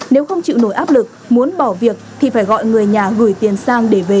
nếu không chịu nổi áp lực muốn bỏ việc thì phải gọi người nhà gửi tiền sang để về